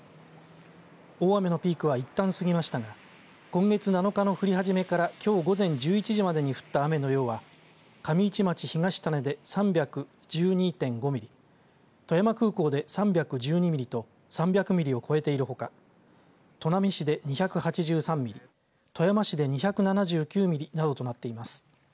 大雨のピークはいったん過ぎましたが今月７日の降り始めからきょう午前１１時までに降った雨の量は、上市町東種で３１２．５ミリ富山空港で３１２ミリと３００ミリを超えているほか砺波市で２８３ミリ富山市で２７９ミリなどとなっています。